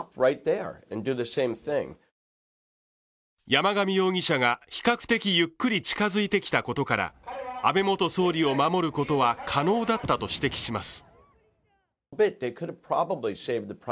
山上容疑者が比較的ゆっくり近づいてきたことから安倍元総理を守ることは可能だったと指摘します。